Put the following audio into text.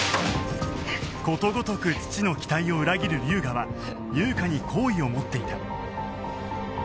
ことごとく父の期待を裏切る龍河は優香に好意を持っていた